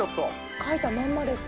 描いたまんまですか？